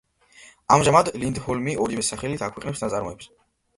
ამჟამად ლინდჰოლმი ორივე სახელით აქვეყნებს ნაწარმოებებს.